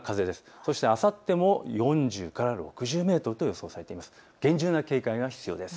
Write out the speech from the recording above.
そしてあさっても４０から６０メートルと予想されています。